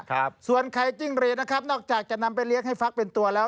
ครับส่วนไข่จิ้งรีดนะครับนอกจากจะนำไปเลี้ยงให้ฟักเป็นตัวแล้ว